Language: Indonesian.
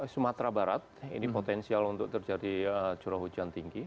sumatera barat ini potensial untuk terjadi curah hujan tinggi